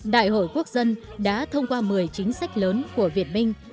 đại hội quốc dân đã thông qua một mươi chính sách lớn của việt minh